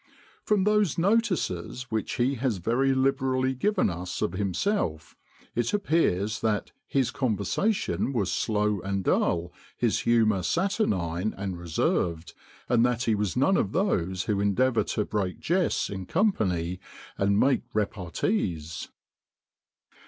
'... From those notices which he has very liberally given us of himself, it appears, that 'his conversation was slow and dull, his humour saturnine and reserved, and that he was none of those who endeavour to break jests in company, and make repartees.